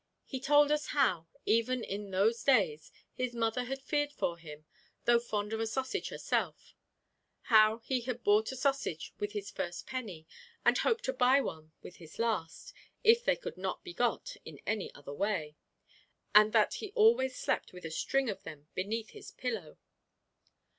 He told us how, even in those days, his mother had feared for him, though fond of a sausage herself; how he had bought a sausage with his first penny, and hoped to buy one with his last (if they could not be got in any other way), and that he always slept with a string of them beneath his pillow.